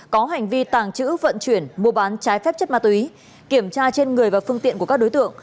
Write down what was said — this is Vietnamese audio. có hành vi tàng trữ vận chuyển mua bán trái phép chất ma túy kiểm tra trên người và phương tiện của các đối tượng